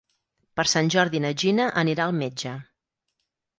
Per Sant Jordi na Gina anirà al metge.